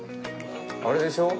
あれでしょう？